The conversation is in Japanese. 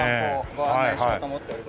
ご案内しようと思っております。